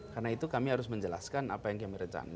karena itu kami harus menjelaskan apa yang kami rencana